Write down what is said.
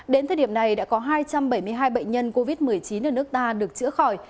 đến thời điểm này đã có hai trăm bảy mươi hai bệnh nhân covid một mươi chín ở nước ta được chữa khỏi